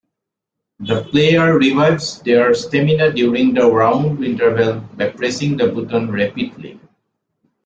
The player revives their stamina during the round interval by pressing the button rapidly.